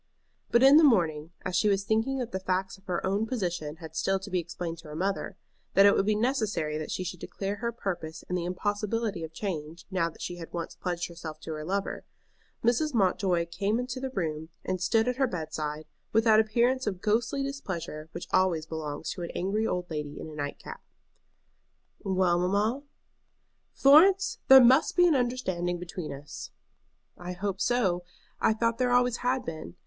But in the morning, as she was thinking that the facts of her own position had still to be explained to her mother, that it would be necessary that she should declare her purpose and the impossibility of change, now that she had once pledged herself to her lover, Mrs. Mountjoy came into the room, and stood at her bedside, with that appearance of ghostly displeasure which always belongs to an angry old lady in a night cap. "Well, mamma?" "Florence, there must be an understanding between us." "I hope so. I thought there always had been.